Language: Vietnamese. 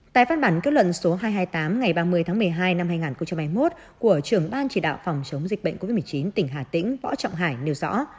tại phát bản kết luận số hai trăm hai mươi tám ngày ba mươi tháng một mươi hai năm hai nghìn hai mươi một của trưởng ban chỉ đạo phòng chống dịch bệnh covid một mươi chín tỉnh hà tĩnh võ trọng hải nêu rõ